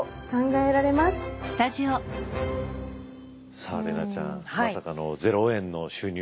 さあ怜奈ちゃんまさかの０円の収入ですよ。